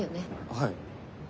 はい。